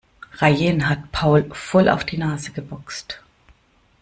Rayen hat Paul voll auf die Nase geboxt.